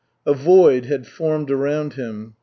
A void had formed around him.